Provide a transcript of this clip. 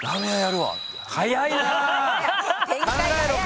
早いなぁ。